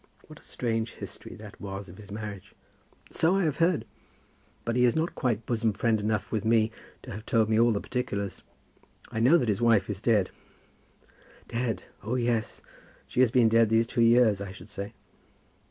What a strange history that was of his marriage!" "So I have heard; but he is not quite bosom friend enough with me to have told me all the particulars. I know that his wife is dead." "Dead; oh, yes; she has been dead these two years I should say."